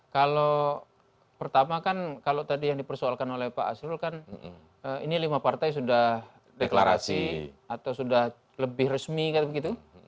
kalau pertama kan kalau tadi yang dipersoalkan oleh pak asrul kan ini lima partai sudah deklarasi atau sudah lebih resmi kan begitu